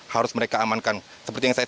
harus mereka amankan seperti yang saya